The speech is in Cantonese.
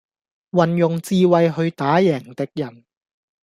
運用智慧去打贏敵人